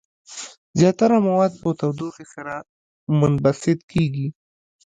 زیاتره مواد په تودوخې سره منبسط کیږي.